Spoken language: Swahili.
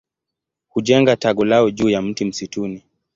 Hujenga tago lao juu ya mti msituni.